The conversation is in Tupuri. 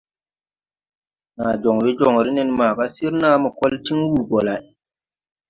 Naa joŋ we joŋre nen maaga sir naa mo kol tiŋ wuu gɔ lay.